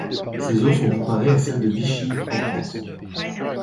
Ses eaux sont comparées à celles de Vichy en France.